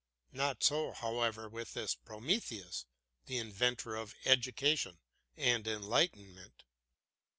Not so, however, with this Prometheus, the inventor of education and enlightenment.